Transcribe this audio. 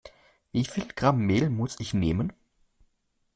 Wie viel Gramm Mehl muss ich nehmen?